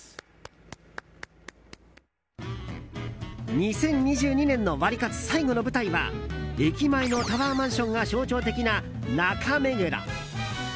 ２０２２年のワリカツ最後の舞台は駅前のタワーマンションが象徴的な中目黒。